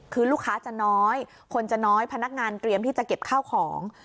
คือลูกค้าจะน้อยคนจะน้อยพนักงานเตรียมที่จะเก็บข้าวของ